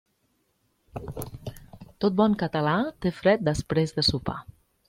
Tot bon català té fred després de sopar.